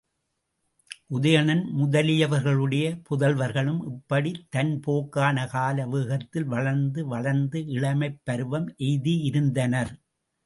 உதயணன் முதலியவர்களுடைய புதல்வர்களும் இப்படித் தன் போக்கான கால வேகத்தில் வளர்ந்து வளர்ந்து இளமைப் பருவம் எய்தியிருந்தனர்.